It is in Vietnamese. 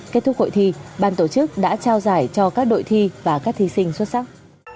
kết thúc hội thi ban tổ chức đã trao giải cho các đội thi và các thí sinh xuất sắc